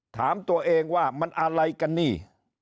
ถามตัวเองว่ามันอะไรกันนี่